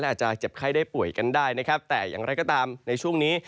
อาจจะเจ็บไข้ได้ป่วยกันได้นะครับแต่อย่างไรก็ตามในช่วงนี้